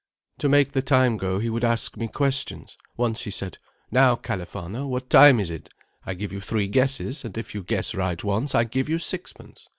"To make the time go he would ask me questions. Once he said, 'Now, Califano, what time is it? I give you three guesses, and if you guess right once I give you sixpence.